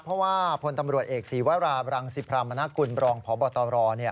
เพราะว่าพลตำรวจเอกศรีวราบรังสิพรรมมคุณพบร